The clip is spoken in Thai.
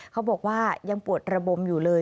เขาบอกว่ายังปวดระบมอยู่เลย